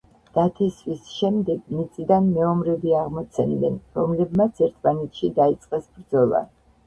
დათესვის შემდეგ მიწიდან მეომრები აღმოცენდნენ, რომლებმაც ერთმანეთში დაიწყეს ბრძოლა.